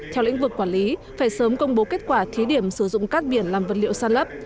theo lĩnh vực quản lý phải sớm công bố kết quả thí điểm sử dụng cát biển làm vật liệu san lấp